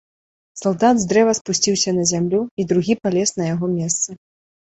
Салдат з дрэва спусціўся на зямлю, і другі палез на яго месца.